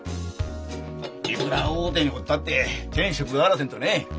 いくら大手におったって手に職があらせんとね。